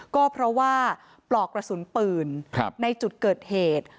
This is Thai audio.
ก็เพราะว่าปลอกกระสุนปืนในจุดเกิดเหตุ